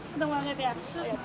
seneng banget ya